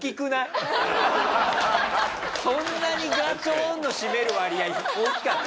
そんなにガチョーンの占める割合大きかった？